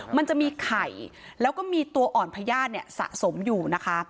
มันจะมีไข่แล้วก็มีตัวอ่อนพญาติเนี่ยสะสมอยู่นะคะ